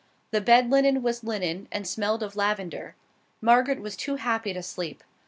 The bed linen was linen, and smelled of lavender. Margaret was too happy to sleep.